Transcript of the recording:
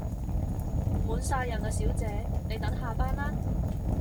滿曬人喇小姐，你等下班啦